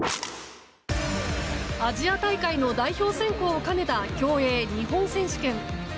アジア大会の代表選考を兼ねた競泳日本選手権。